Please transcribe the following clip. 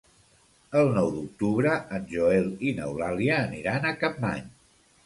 El nou d'octubre en Joel i n'Eulàlia aniran a Capmany.